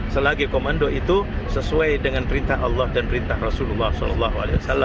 selagi komando itu sesuai dengan perintah allah dan perintah rasulullah saw